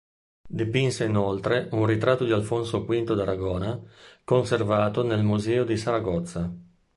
Dipinse inoltre un "ritratto di Alfonso V d'Aragona" conservato nel museo di Saragozza